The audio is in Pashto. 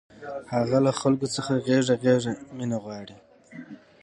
هغه له خلکو څخه غېږه غېږه مینه غواړي